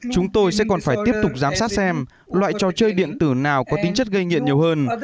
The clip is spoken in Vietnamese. chúng tôi sẽ còn phải tiếp tục giám sát xem loại trò chơi điện tử nào có tính chất gây nghiện nhiều hơn